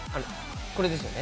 これですよね？